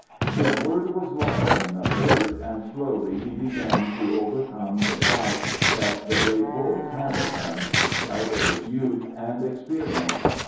His word was law in the herd. And slowly he began to overcome the doubt that the great bulls had of him doubt of his youth and experience.